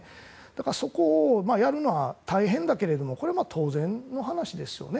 だからそこをやるのは大変だけれどもこれは当然の話ですよね。